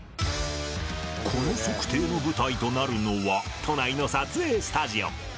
この測定の舞台となるのは都内の撮影スタジオ